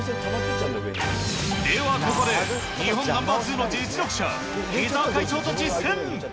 ではここで、日本ナンバー２の実力者、日澤会長と実戦。